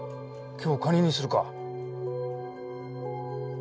今日カニにするか？